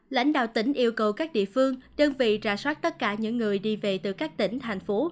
lãnh đạo tỉnh yêu cầu các địa phương đơn vị ra soát tất cả những người đi về từ các tỉnh thành phố